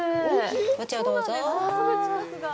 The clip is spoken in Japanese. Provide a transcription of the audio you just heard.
お茶をどうぞ。